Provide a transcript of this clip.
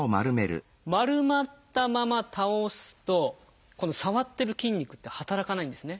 丸まったまま倒すとこの触ってる筋肉って働かないんですね。